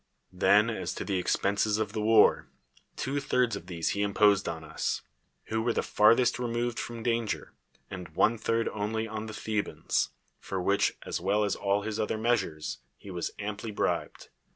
Then as to the expenses of the war, two thirds of these he imposed on us, who were the farthest removed from danger, and one third only on the Thet)ans; for which, as Avell as all his other measures, he was amply bribed.